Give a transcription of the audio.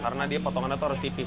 karena dia potongannya itu harus tipis